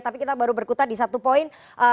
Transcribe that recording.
tapi kita baru berkutat di satu poin